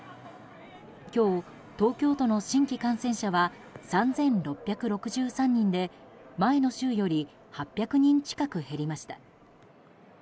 今日、東京都の新規感染者は３６６３人で前の週より８００人近く減りました。